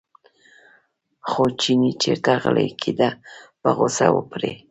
خو چینی چېرته غلی کېده په غوسه و پرې.